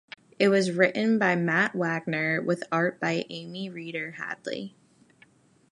It was written by Matt Wagner, with art by Amy Reeder Hadley.